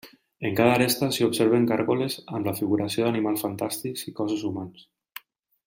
En cada aresta s'hi observen gàrgoles amb la figuració d'animals fantàstics i cossos humans.